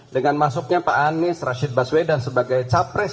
dengan masuknya pak anies rashid baswedan sebagai capres